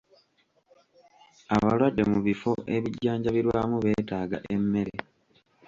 Abalwadde mu bifo ebijjanjabirwamu beetaaga emmere.